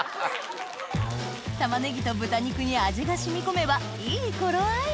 たまねぎと豚肉に味が染み込めばいい頃合い